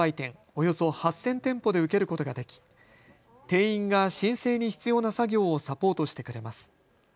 およそ８０００店舗で受けることができ店員が申請に必要な作業をサポートしてくれます。